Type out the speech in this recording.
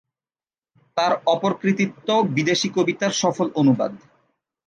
তার অপর কৃতিত্ব বিদেশী কবিতার সফল অনুবাদ।